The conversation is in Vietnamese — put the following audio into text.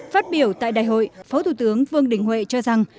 phát biểu tại đại hội phó thủ tướng vương đình huệ cho rằng